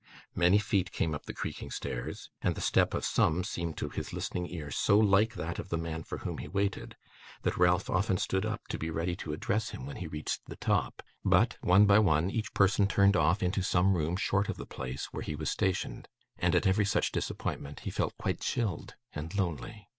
Many feet came up the creaking stairs; and the step of some seemed to his listening ear so like that of the man for whom he waited, that Ralph often stood up to be ready to address him when he reached the top; but, one by one, each person turned off into some room short of the place where he was stationed: and at every such disappointment he felt quite chilled and lonely.